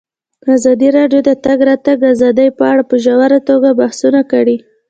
ازادي راډیو د د تګ راتګ ازادي په اړه په ژوره توګه بحثونه کړي.